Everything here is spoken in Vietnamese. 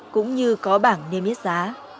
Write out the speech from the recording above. cũng như có bảng niêm yết giá